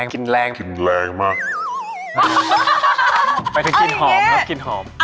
ซับของเราคือ